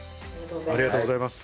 ありがとうございます。